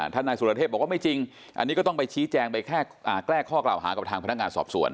นายสุรเทพบอกว่าไม่จริงอันนี้ก็ต้องไปชี้แจงไปแค่แก้ข้อกล่าวหากับทางพนักงานสอบสวน